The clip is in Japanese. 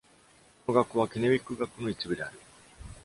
この学校は、ケネウィック学区の一部である。